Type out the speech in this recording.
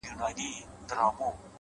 جانان ارمان د هره یو انسان دی والله”